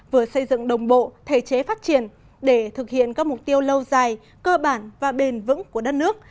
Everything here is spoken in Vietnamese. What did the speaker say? vừa xây dựng đồng bộ thể chế phát triển để thực hiện các mục tiêu lâu dài cơ bản và bền vững của đất nước